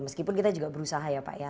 meskipun kita juga berusaha ya pak ya